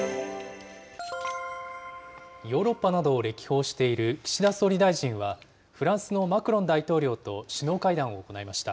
ヨーロッパなどを歴訪している岸田総理大臣は、フランスのマクロン大統領と首脳会談を行いました。